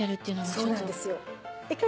そうなんですよ。